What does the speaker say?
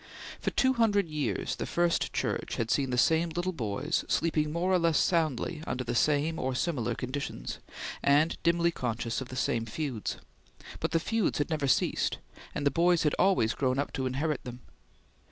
For two hundred years the First Church had seen the same little boys, sleeping more or less soundly under the same or similar conditions, and dimly conscious of the same feuds; but the feuds had never ceased, and the boys had always grown up to inherit them.